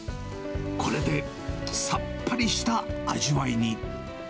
これでさっぱりした味わいに。